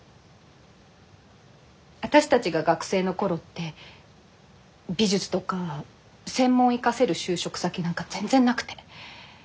私たちが学生の頃って美術とか専門生かせる就職先なんか全然なくて。